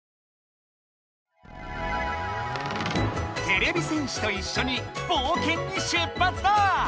てれび戦士といっしょにぼうけんに出発だ！